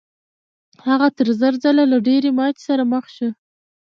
هغه تر زر ځله له ډېرې ماتې سره مخ شو.